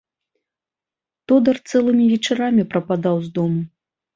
Тодар цэлымі вечарамі прападаў з дому.